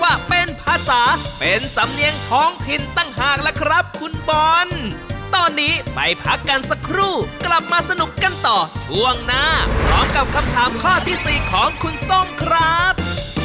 ว่าเป็นภาษาเป็นสำเนียงท้องถิ่นต่างหากแล้วครับคุณบอลตอนนี้ไปพักกันสักครู่กลับมาสนุกกันต่อช่วงหน้าพร้อมกับคำถามข้อที่สี่ของคุณส้มครับ